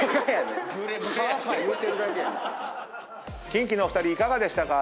キンキのお二人いかがでしたか？